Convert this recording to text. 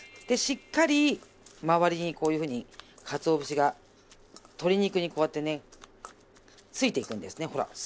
でしっかり周りにこういうふうにかつお節が鶏肉にこうやってねついていくんですねほら。